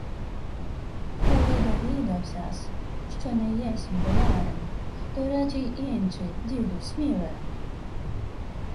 — Коли довідався-с, що не єсмь болярин, то речи й инче, діду Сміле!